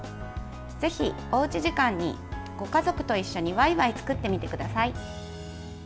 ぜひおうち時間にご家族と一緒にわいわい作ってみてください。